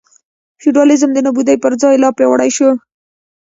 فیوډالېزم د نابودۍ پر ځای لا پیاوړی شو.